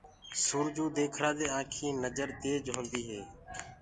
سورجو ديکرآ دي آنٚکينٚ نجر تيج هونٚدي هي